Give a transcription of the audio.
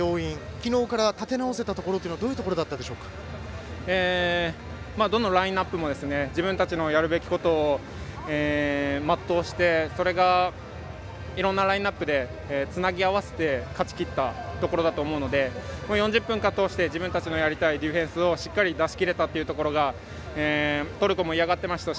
きのうから立て直せたところはどういうところどのラインアップも自分たちのやるべきことを全うしてそれがいろんなラインアップでつなぎ合わせて勝ち切ったところだと思うので４０分間通して自分たちのやりたいディフェンスをしっかり出し切れたというところがトルコも嫌がっていましたし